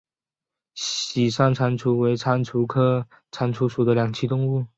喜山蟾蜍为蟾蜍科蟾蜍属的两栖动物。